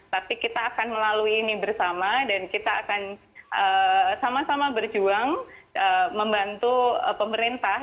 tapi kita akan melalui ini bersama dan kita akan sama sama berjuang membantu pemerintah